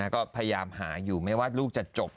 ก็พยายามหาอยู่ไม่ว่าลูกจะจบ